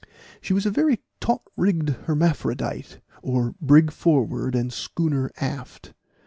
She was a very taught rigged hermaphrodite, or brig forward and schooner aft.